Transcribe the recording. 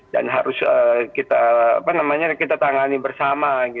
dan harus kita tangani bersama